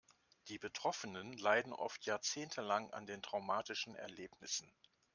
Die Betroffenen leiden oft jahrzehntelang an den traumatischen Erlebnissen.